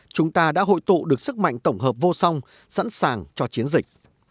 chúng ta đã hội tụ được sức mạnh tổng hợp vô song sẵn sàng cho chiến dịch